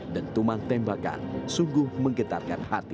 dan tuman tembakan sungguh menggetarkan hati